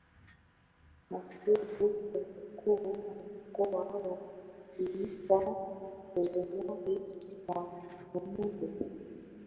Kwa mujibu wa Mkuu wa Mkoa wa Geita Rosemary Sinyamule